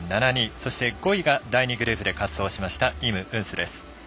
そして５位が第２グループで滑走しましたイム・ウンスです。